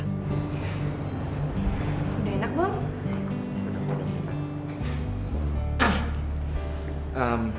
udah enak belum